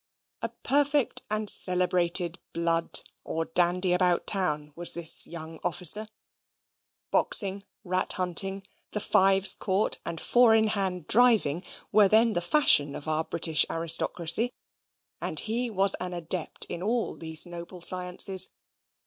A perfect and celebrated "blood," or dandy about town, was this young officer. Boxing, rat hunting, the fives court, and four in hand driving were then the fashion of our British aristocracy; and he was an adept in all these noble sciences.